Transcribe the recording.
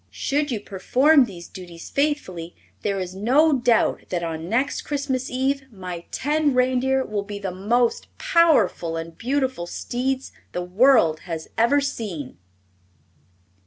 Should you perform these duties faithfully there is no doubt that on next Christmas Eve my ten reindeer will be the most powerful and beautiful steeds the world has ever seen!"